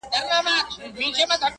د زلمیو د مستۍ اتڼ پر زور سو!!